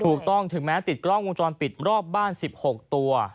ถูกต้องถึงแม้ติดกล้องวงจรปิดรอบบ้าน๑๖ตัว